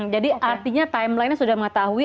jadi artinya timeline sudah mengetahui